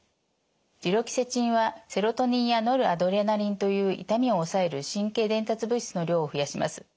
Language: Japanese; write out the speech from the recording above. デュロキセチンはセロトニンやノルアドレナリンという痛みを抑える神経伝達物質の量を増やします。